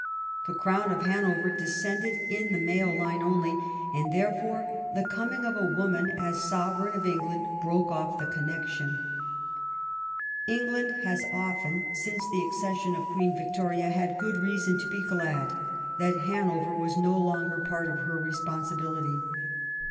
The crown of Hanover descended in the male line only, and therefore the coming of a woman as sovereign of England broke off the connection. GLADSTONE IN OFFICE 63 England has often since the accession of Queen Victoria had good reason to be glad that Hanover was no longer a part of her responsibility.